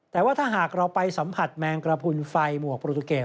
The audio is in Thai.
แต่ว่าถ้าหากเราไปสัมผัสแมงกระพุนไฟหมวกโปรตูเกต